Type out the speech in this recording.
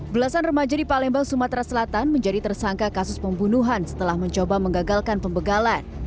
belasan remaja di palembang sumatera selatan menjadi tersangka kasus pembunuhan setelah mencoba mengagalkan pembegalan